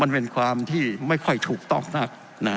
มันเป็นความที่ไม่ค่อยถูกต้องนัก